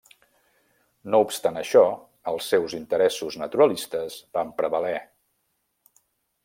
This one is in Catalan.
No obstant això, els seus interessos naturalistes van prevaler.